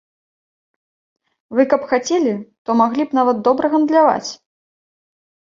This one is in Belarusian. Вы каб хацелі, то маглі б нават добра гандляваць!